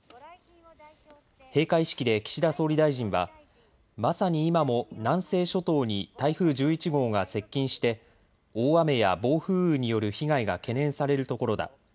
閉会式で岸田総理大臣はまさに今も南西諸島に台風１１号が接近して大雨や暴風雨による被害が懸念されるところだ。